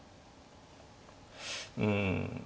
うん